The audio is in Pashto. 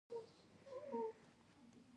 دا د افرادو اړیکې له ادارې سره تنظیموي.